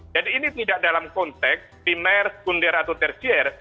jadi ini tidak dalam konteks primer skunder atau tertier